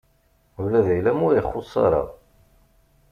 Ula d ayla-m ur ixuṣṣ ara.